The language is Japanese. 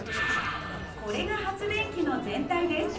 これが発電機の全体です。